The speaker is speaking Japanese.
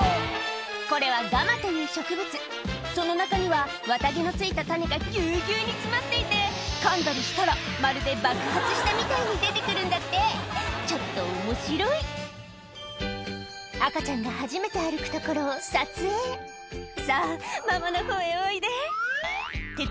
これはガマという植物その中には綿毛の付いた種がギュウギュウに詰まっていてかんだりしたらまるで爆発したみたいに出て来るんだってちょっとおもしろい赤ちゃんが初めて歩くところを撮影「さぁママのほうへおいで」って誰？